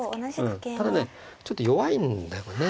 うんただねちょっと弱いんだこれね。